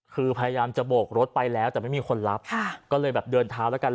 คือพยายามจะโบกรถไปแล้วแต่ไม่มีคนรับก็เลยแบบเดินเท้าแล้วกัน